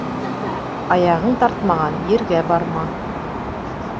Аяғын тартмаған ергә барма.